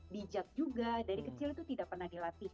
bijak juga dari kecil itu tidak pernah dilatih